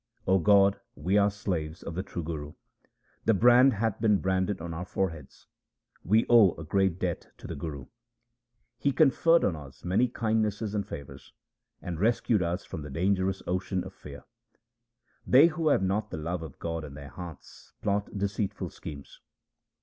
O God, we are slaves of the true Guru : The brand hath been branded on our foreheads ; we owe a great debt to the Guru : He conferred on us many kindnesses and favours, and rescued us from the dangerous ocean of fear. They who have not the love of God in their hearts plot deceitful schemes.